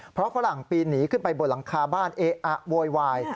เพราะฝรั่งปีนหนีขึ้นไปบนหลังคาบ้านเอ๊ะอะโวยวาย